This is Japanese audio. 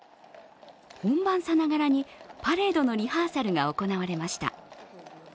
本番さながらにパレードのリハーサルが行われました。